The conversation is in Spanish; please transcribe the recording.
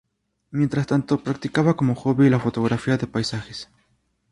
Mientras tanto practicaba como hobby la fotografía de paisajes.